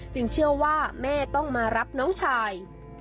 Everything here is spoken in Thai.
เชื่อว่าแม่ต้องมารับน้องชาย